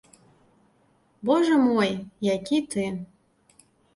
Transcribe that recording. Божа мой, які ты.